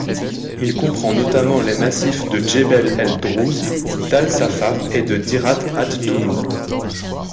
Il comprend notamment les massifs de Djébel el-Druze, d'Al-Safa et de Dirat at Tulul.